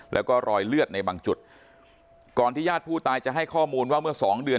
แล้วก็รอยเลือดในบางจุดก่อนที่ญาติผู้ตายจะให้ข้อมูลว่าเมื่อสองเดือน